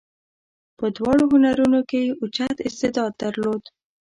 په دواړو هنرونو کې یې اوچت استعداد درلود.